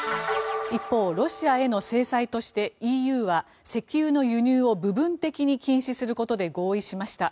一方、ロシアへの制裁としてＥＵは石油の輸入を部分的に禁止することで合意しました。